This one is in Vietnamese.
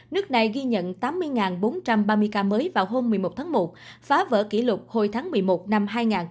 nước này ghi nhận tám mươi bốn trăm ba mươi ca mới vào hôm một mươi một tháng một phá vỡ kỷ lục hồi tháng một mươi một năm hai nghìn một mươi ba